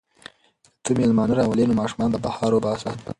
که ته مېلمانه راولې نو ماشومان به بهر وباسم.